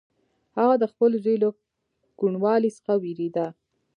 هغه د خپل زوی له کوڼوالي څخه وېرېده.